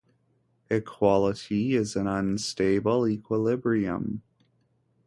Equality is an unstable equilibrium.